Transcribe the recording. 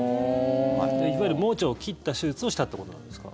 いわゆる盲腸を切った手術をしたということですか？